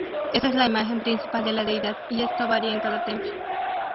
Esta es la imagen principal de la deidad, y esto varía en cada templo.